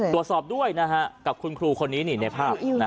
ถ่วสอบด้วยนะครับกับคุณครูในภาพ